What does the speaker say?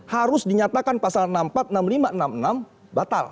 harus dinyatakan pasal enam puluh empat enam puluh lima enam puluh enam batal